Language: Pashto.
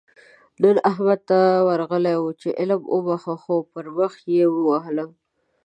نن احمد ته ورغلی وو؛ چې علي وبښه - خو پر مخ يې ووهلم.